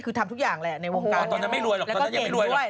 คือทำทุกอย่างแหละในวงการตอนนี้ไม่รวยหรอก